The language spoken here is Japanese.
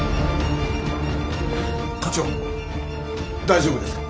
課長大丈夫ですか？